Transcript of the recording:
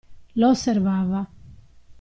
Lo osservava.